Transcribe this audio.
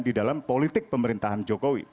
di dalam politik pemerintahan jokowi